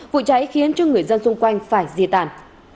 vụ cháy khiến cho người dân xung quanh phải di tản